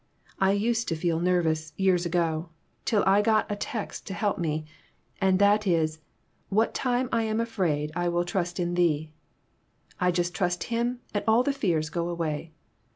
I used to feel nervous, years ago, till I got a text to help me, and that is 'What time I am afraid I will trust in thee.' I just trust him, and all the fears go away.